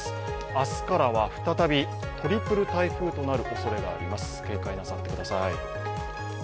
明日からは再びトリプル台風となるおそれがあります、警戒なさってください。